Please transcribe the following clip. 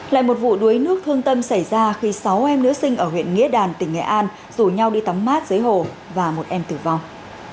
lại một vụ đuối nước thương tâm xảy ra khi sáu em nữ sinh ở huyện nghĩa đàn tỉnh nghệ an rủ nhau đi tắm mát dưới hồ và một em tử vong